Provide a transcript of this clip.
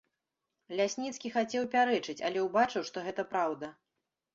Лясніцкі хацеў пярэчыць, але ўбачыў, што гэта праўда.